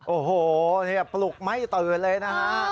โอ้โหปลุกไม่ตื่นเลยนะฮะ